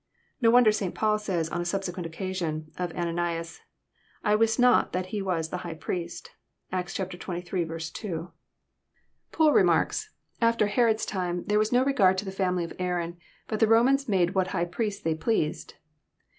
Ko wonder St. Paul says, on a subsequent occasion, of Ananias, " I Wist not that he was the high priest," (Actt« xxiii. 2.) JOHN, CHAP. XI. 299 Poole remarks :" After Herod's time tbare was no regard to the family of Aaron, bat the Romans made what high priests they pleased.